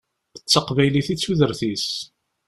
D taqbaylit i d tudert-is.